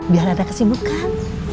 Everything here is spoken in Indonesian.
biar ada kesibukan